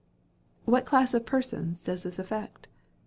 What class of persons does this affect?